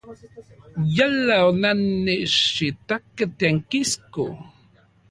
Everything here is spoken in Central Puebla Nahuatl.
Yala onannechitakej tiankisko.